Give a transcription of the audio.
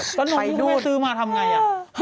ก็น้องผู้แม่ซื้อมาทำอย่างไร